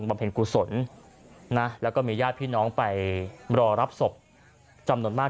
เพลงกุศลนะแล้วก็มีญาติพี่น้องไปรอรับศพจำนวนมาก